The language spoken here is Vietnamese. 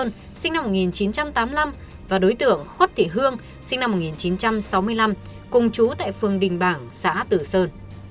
nguyễn thạc sơn sinh năm một nghìn chín trăm tám mươi năm và đối tượng khuất thị hương sinh năm một nghìn chín trăm sáu mươi năm cùng chú tại phường đình bảng xã tử sơn